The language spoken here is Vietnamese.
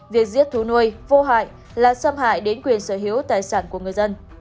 việc giết thú nuôi vô hại là xâm hại đến quyền sở hữu tài sản của người dân